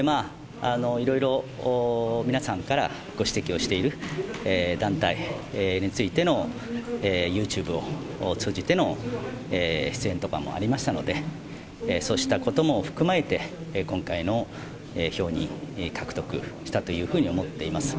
いろいろ、皆さんからご指摘をしている団体についての、ユーチューブを通じての出演とかもありましたので、そうしたことも踏まえて、今回の票に、獲得したというふうに思っています。